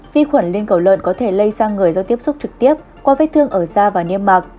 vi khuẩn lên cầu lợn có thể lây sang người do tiếp xúc trực tiếp qua vết thương ở da và niêm mạc